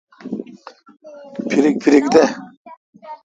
پھریک پھریک دہ۔